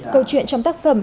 câu chuyện trong tác phẩm